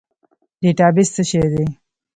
ډیټابیس څه شی دی؟